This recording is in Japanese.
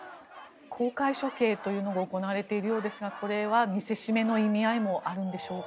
公開処刑というのが行われているようですがこれは見せしめの意味合いもあるんでしょうか。